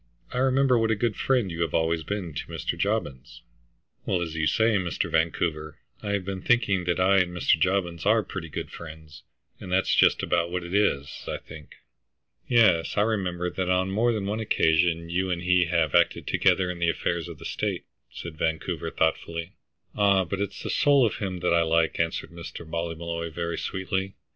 I remember what a good friend you have always been to Mr. Jobbins." "Well, as you say, Mr. Vancouver, I have been thinking that I and Mr. Jobbins are pretty good friends, and that's just about what it is, I think." "Yes, I remember that on more than one occasion you and he have acted together in the affairs of the state," said Vancouver, thoughtfully. '"Ah, but it's the soul of him that I like," answered Mr. Ballymolloy very sweetly.